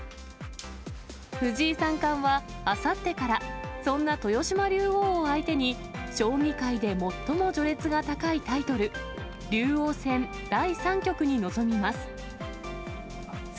藤井三冠は、あさってから、そんな豊島竜王を相手に、将棋界で最も序列が高いタイトル、竜王戦第３局に臨みます。